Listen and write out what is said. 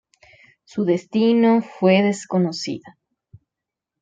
Su destino fue desconocido.